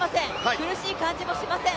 苦しい感じもしません。